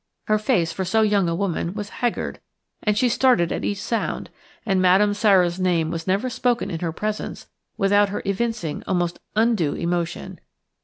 Her face for so young a woman was haggard; she started at each sound, and Madame Sara's name was never spoken in her presence without her evincing almost undue emotion.